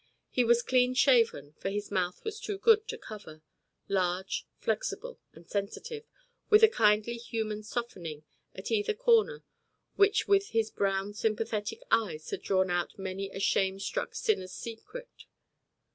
He was clean shaven, for his mouth was too good to cover large, flexible, and sensitive, with a kindly human softening at either corner which with his brown sympathetic eyes had drawn out many a shame struck sinner's secret.